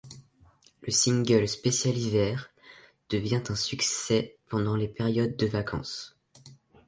Le single spécial hiver devient un succès pendant les périodes de vacances.